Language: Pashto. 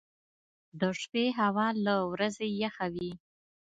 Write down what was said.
• د شپې هوا له ورځې یخه وي.